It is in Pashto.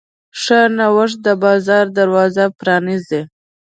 ښه نوښت د بازار دروازه پرانیزي.